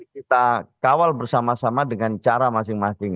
kita kawal bersama sama dengan cara masing masing